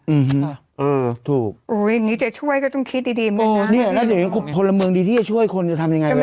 อืมฮะเออถูกอุ้ยนี่จะช่วยก็ต้องคิดดีดีเหมือนกันนะโอ้เนี่ยแล้วเดี๋ยวนี้คนละเมืองดีที่จะช่วยคนจะทำยังไงเวลา